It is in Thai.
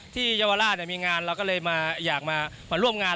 เยาวราชมีงานเราก็เลยมาอยากมาร่วมงาน